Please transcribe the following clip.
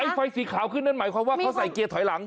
ไฟสีขาวขึ้นนั่นหมายความว่าเขาใส่เกียร์ถอยหลัง